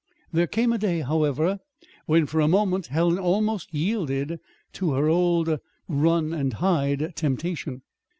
There came a day, however, when, for a moment, Helen almost yielded to her old run and hide temptation.